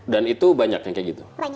dan itu banyaknya kayak gitu